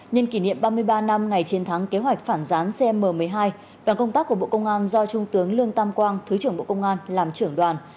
nhân kỷ niệm ba mươi ba năm ngày chiến thắng kế hoạch phản gián cm một mươi hai đoàn công tác của bộ công an do trung tướng lương tam quang thứ trưởng bộ công an làm trưởng đoàn